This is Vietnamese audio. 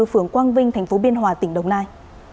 phường quang vinh tp biên hòa tỉnh đồng nai